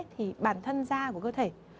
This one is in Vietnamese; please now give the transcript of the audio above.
thì bản thân da của cơ thể